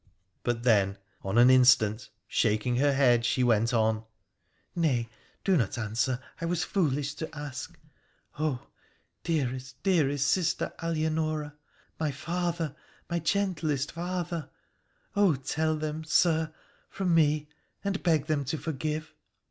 But then, on an 214 WONDERFUL ADVENTURES OF instant, shaking her head, she went on, ' Nay, do not answer ; I was foolish to ask. Oh ! dearest, dearest sister Alianora ! My father— my gentlest father! Oh! tell them, Sir, from me — and beg them to forgive